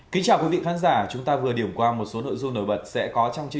hãy đăng ký kênh để ủng hộ kênh của chúng mình nhé